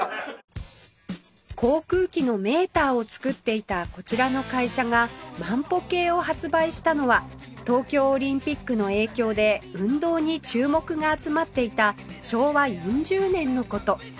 航空機のメーターを作っていたこちらの会社が万歩計を発売したのは東京オリンピックの影響で運動に注目が集まっていた昭和４０年の事